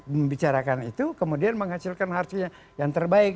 membicarakan itu kemudian menghasilkan hardnya yang terbaik